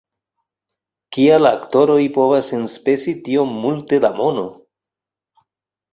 "Kial aktoroj povas enspezi tiom multe da mono!